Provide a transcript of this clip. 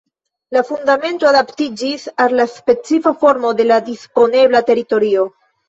La fundamento adaptiĝis al la specifa formo de la disponebla teritorio.